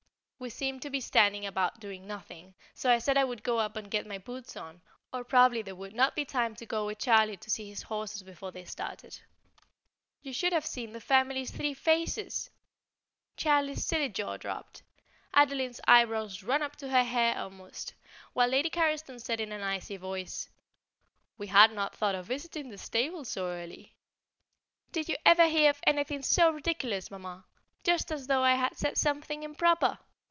We seemed to be standing about doing nothing, so I said I would go up and get my boots on, or probably there would not be time to go with Charlie to see his horses before they started. You should have seen the family's three faces! Charlie's silly jaw dropped, Adeline's eyebrows ran up to her hair almost, while Lady Carriston said in an icy voice: "We had not thought of visiting the stables so early." Did you ever hear of anything so ridiculous, Mamma? Just as though I had said something improper!